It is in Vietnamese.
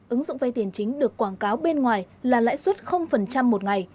ứng dụng vay tiền chính được quảng cáo bên ngoài là lãi suất một ngày